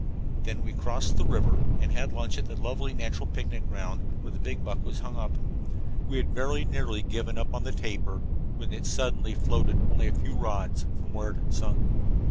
Then we crossed the river and had lunch at the lovely natural picnic ground where the buck was hung up. We had very nearly given up the tapir when it suddenly floated only a few rods from where it had sunk.